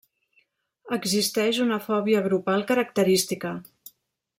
Existeix una fòbia grupal característica.